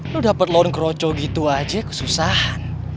lu dapet loan keroco gitu aja kesusahan